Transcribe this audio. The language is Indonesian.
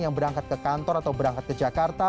yang berangkat ke kantor atau berangkat ke jakarta